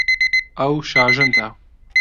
ئەو شاژنتە.